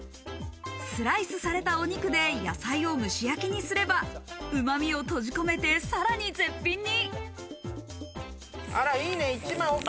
スライスされたお肉で野菜を蒸し焼きにすればうま味を閉じ込めて、さらに絶品に。